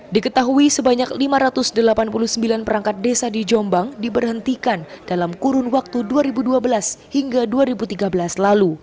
diketahui sebanyak lima ratus delapan puluh sembilan perangkat desa di jombang diberhentikan dalam kurun waktu dua ribu dua belas hingga dua ribu tiga belas lalu